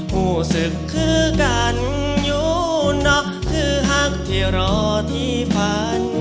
ผู้ศึกคือกันอยู่นอกคือฮักที่รอที่ฝัน